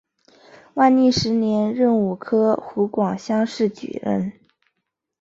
万历十年壬午科湖广乡试举人。